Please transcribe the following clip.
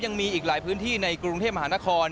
ยังมีอีกหลายพื้นที่ในกรุงเทพมหานคร